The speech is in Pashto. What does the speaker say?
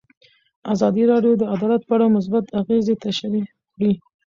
ازادي راډیو د عدالت په اړه مثبت اغېزې تشریح کړي.